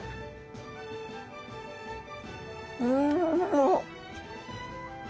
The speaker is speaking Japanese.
うん。